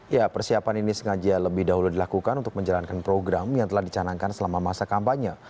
ya persiapan ini sengaja lebih dahulu dilakukan untuk menjalankan program yang telah dicanangkan selama masa kampanye